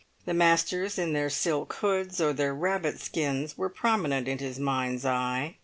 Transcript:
The masters, in their silk hoods or their rabbit skins were prominent in his mind's eye.